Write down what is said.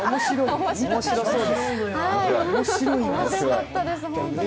面白かったです、本当に。